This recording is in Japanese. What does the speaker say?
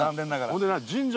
ほんで何？